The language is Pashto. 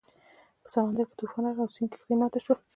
په سمندر کې طوفان راغی او د سید کښتۍ ماته شوه.